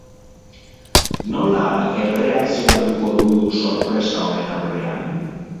Nola erreakzionatuko du sorpresa honen aurrean?